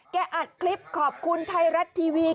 อัดคลิปขอบคุณไทยรัฐทีวี